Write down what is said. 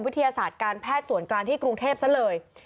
วิทยาศาสตร์การแพทย์สวนการณ์ที่กรุงเทพฯซะเลย